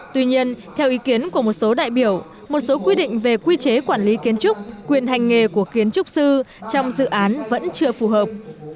tuy nhiên theo ý kiến của một số đại biểu một số quy định về quy chế quản lý kiến trúc quyền hành nghề của kiến trúc sư trong dự án vẫn chưa phù hợp